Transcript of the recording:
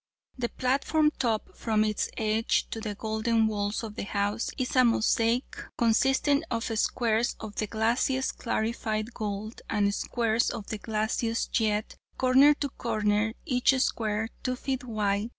The platform top, from its edge to the golden walls of the house, is a mosaic consisting of squares of the glassiest clarified gold, and squares of the glassiest jet, corner to corner, each square 2 ft. wide.